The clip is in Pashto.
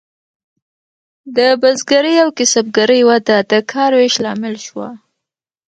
د بزګرۍ او کسبګرۍ وده د کار ویش لامل شوه.